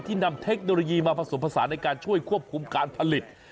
นำเทคโนโลยีมาผสมผสานในการช่วยควบคุมการผลิต